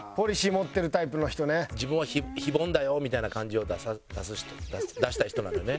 「自分は非凡だよ」みたいな感じを出す人出したい人なんだね。